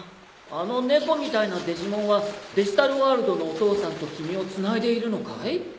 あの猫みたいなデジモンはデジタルワールドのお父さんと君をつないでいるのかい？